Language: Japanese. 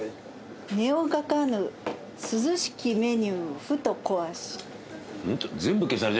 「値を書かぬ涼しきメニューふと恐し」